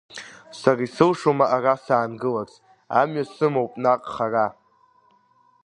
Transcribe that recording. Сара исылшом ара саангыларц, амҩа сымоуп наҟ хара.